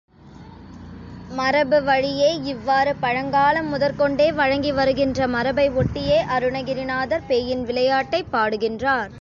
மரபு வழியே இவ்வாறு பழங்காலம் முதற்கொண்டே வழங்கி வருகின்ற மரபை ஒட்டியே அருணகிரிநாதர் பேயின் விளையாட்டைப் பாடுகின்றார்.